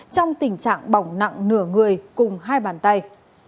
trong tình trạng bỏng nặng nửa người cùng hai bàn tay